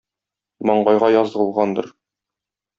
Маңгайга язылгандыр...